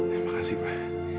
terima kasih pak